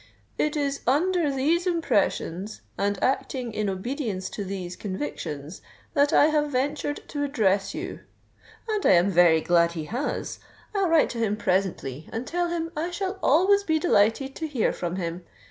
'It is under these impressions, and acting in obedience to these convictions, that I have ventured to address you.' And I am very glad he has: I'll write to him presently and tell him I shall always be delighted to hear from him.